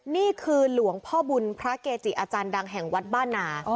นี่คือหลวงพ่อบุญพระเกจิอาจารย์ดังแห่งวัดบ้านนา